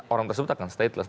orang tersebut akan stateless